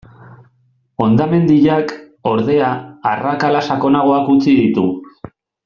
Hondamendiak, ordea, arrakala sakonagoak utzi ditu.